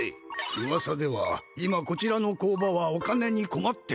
うわさでは今こちらの工場はお金にこまっているとか。